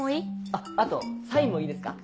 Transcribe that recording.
あっあとサインもいいですか？